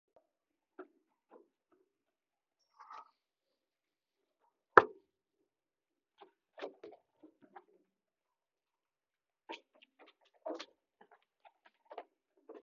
きゅるるるるるるるるんんんんんん